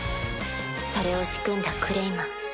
それを仕組んだクレイマン。